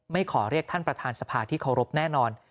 ขอเรียกท่านประธานสภาที่เคารพแน่นอน